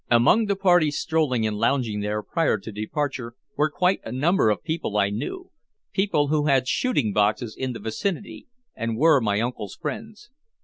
Among the party strolling and lounging there prior to departure were quite a number of people I knew, people who had shooting boxes in the vicinity and were my uncle's friends.